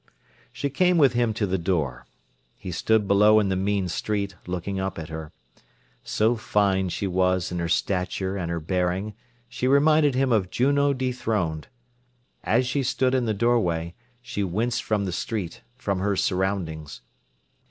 She came with him to the door. He stood below in the mean street, looking up at her. So fine she was in her stature and her bearing, she reminded him of Juno dethroned. As she stood in the doorway, she winced from the street, from her surroundings.